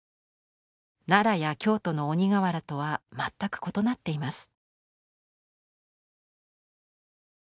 奈良や京都の鬼瓦とは全く異なっています。